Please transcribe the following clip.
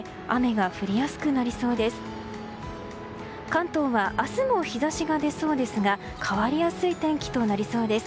関東は明日も日差しが出そうですが変わりやすい天気となりそうです。